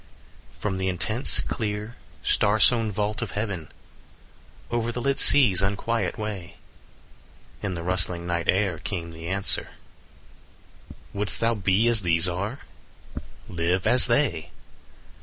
From the intense, clear, star sown vault of heaven, Over the lit sea's unquiet way, In the rustling night air came the answer: 15 "Wouldst thou be as these are? Live as they.